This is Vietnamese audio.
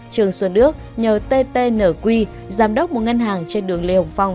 trương xuân đước nhờ ttnq giám đốc một ngân hàng trên đường lê hồng phong